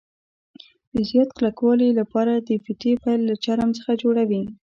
د زیات کلکوالي له پاره د فیتې پیل له چرم څخه جوړوي.